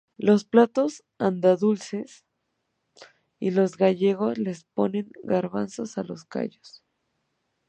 Los platos andaluces y los gallegos les ponen garbanzos a los callos.